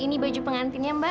ini baju pengantinnya mbak